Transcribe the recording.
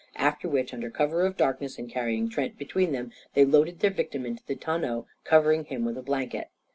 After which, under cover of darkness and carrying Trent between them, they loaded their victim into the tonneau, covering him with a blanket.